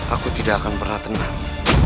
aku tidak akan pernah tenang